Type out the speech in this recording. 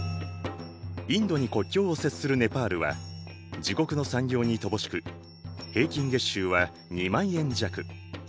インドに国境を接するネパールは自国の産業に乏しく平均月収は２万円弱。